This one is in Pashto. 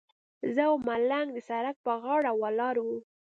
زه او ملنګ د سړک پر غاړه ولاړ وو.